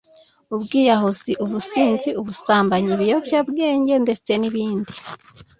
ubwiyahuzi, ubusinzi, ubusambanyi, ibiyobyabwenge ndetse n’ibindi.